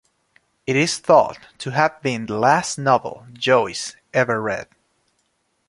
It is thought to have been the last novel Joyce ever read.